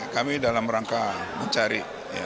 kami dalam rangka mencari